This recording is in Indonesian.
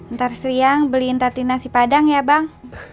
ntar siang beliin tati nasi padang ya bang